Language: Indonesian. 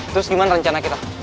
terus gimana rencana kita